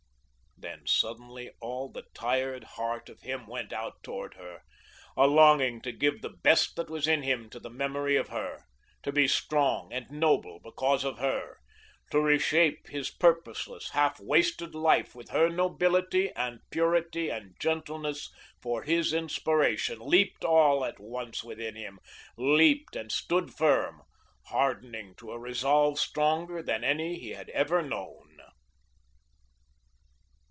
Then suddenly all the tired heart of him went out towards her. A longing to give the best that was in him to the memory of her, to be strong and noble because of her, to reshape his purposeless, half wasted life with her nobility and purity and gentleness for his inspiration leaped all at once within him, leaped and stood firm, hardening to a resolve stronger than any he had ever known.